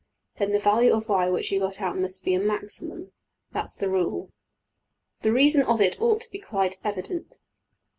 png}% the value of~$y$ which you got must be a \emph{maximum}. That's the rule. The reason of it ought to be quite evident.